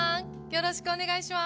よろしくお願いします。